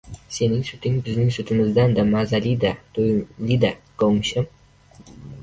Sening suting bizning sutimizdanda mazali-da, to‘yimli-da, govmishim.